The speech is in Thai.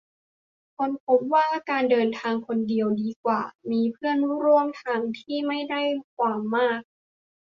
ค้นพบว่าการเดินทางคนเดียวดีกว่ามีเพื่อนร่วมทางที่ไม่ได้ความมาก